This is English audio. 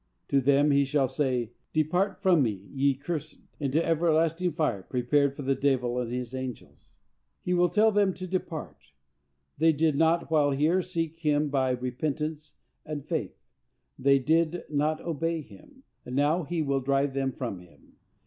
To them he shall say, "Depart from me, ye cursed, into everlasting fire, prepared for the devil and his angels." He will tell them to depart; they did not, while here, seek him by repentance and faith; they did not obey him, and now he will drive them from him.